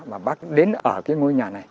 mà bác đến ở cái ngôi nhà này